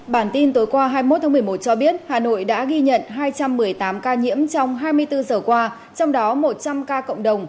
bản tin tối qua hai mươi một tháng một mươi một cho biết hà nội đã ghi nhận hai trăm một mươi tám ca nhiễm trong hai mươi bốn giờ qua trong đó một trăm linh ca cộng đồng